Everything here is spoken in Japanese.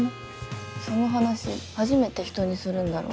「その話初めて人にするんだろ？」